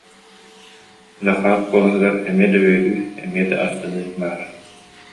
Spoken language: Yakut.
Захар куолаһыгар эмиэ да үөрүү, эмиэ да астыныы баара